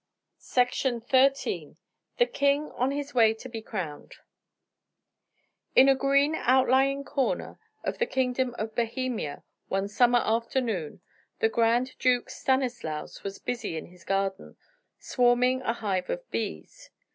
THE KING ON HIS WAY TO BE CROWNED In a green outlying corner of the kingdom of Bohemia, one summer afternoon, the Grand Duke Stanislaus was busy in his garden, swarming a hive of bees.